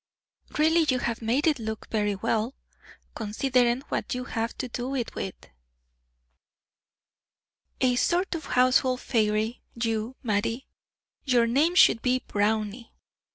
"Really you have made it look very well, considering what you have to do it with. A sort of household fairy, you, Mattie; your name should be Brownie.